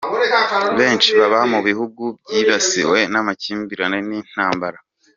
Benshi baba mu bihugu byibasiwe n’amakimbirane n’intambara.